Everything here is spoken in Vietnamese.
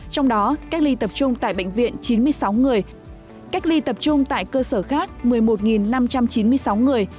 trong đó cách ly tập trung tại bệnh viện chín mươi sáu người cách ly tập trung tại cơ sở khác một mươi một năm trăm chín mươi sáu người